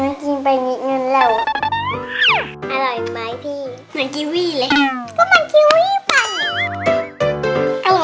ขอกินของน้องไรกินไปเงินเร็ว